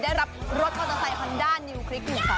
ได้รับรถคอตเตอร์ไซคอนด้านิวคลิกอยู่ค่ะอ่า